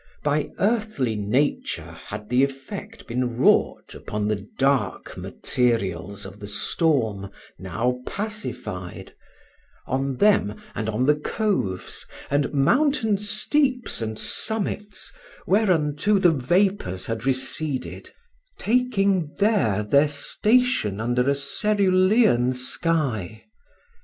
By earthly nature had the effect been wrought Upon the dark materials of the storm Now pacified; on them, and on the coves, And mountain steeps and summits, whereunto The vapours had receded,—taking there Their station under a Cerulean sky.